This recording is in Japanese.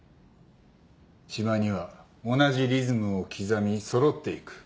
しまいには同じリズムを刻み揃っていく。